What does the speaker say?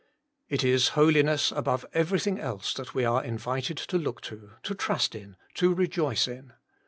It is Holiness above everything else that we are invited to look to, to trust in, to rejoice in.